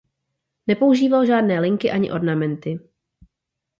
Nepoužíval žádné linky ani ornamenty.